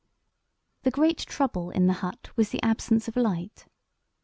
The great trouble in the hut was the absence of light.